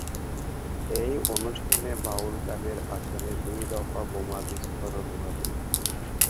এই অনুষ্ঠানে বাউল গানের আসরে দুই দফা বোমা বিস্ফোরণ ঘটে।